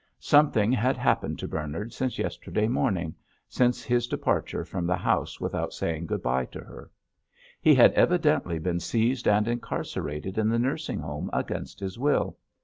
Something had happened to Bernard since yesterday morning, since his departure from the house without saying good bye to her. He had evidently been seized and incarcerated in the nursing home against his will.